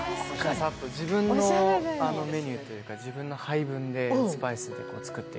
ささっと、自分のメニューというか、自分の配分でスパイスを作って。